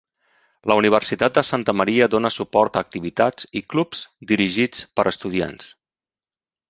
La Universitat de Santa Maria dona suport a activitats i clubs dirigits per estudiants.